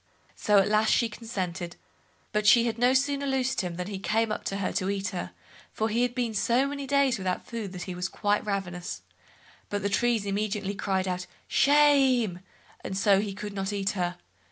So at last she consented; but she had no sooner loosed him, than he came up to her to eat her, for he had been so many days without food that he was quite ravenous, but the trees immediately cried out "shame", and so he could not eat her.